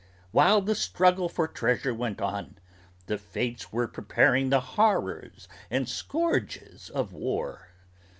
While the struggle for treasure went on The fates were preparing the horrors and scourges of war.